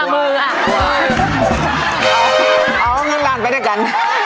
เอามือลานไปด้วยกัน